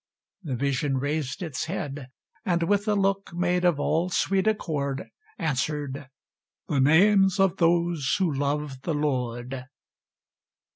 The vision raised its head, And with a look made of all sweet accord, Answered, "The names of those who love the Lord."